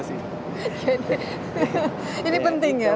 iya ini penting ya